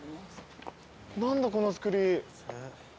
何だこの造り。